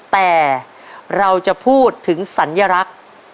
แต่เราจะพูดถึงสัญลักษณ์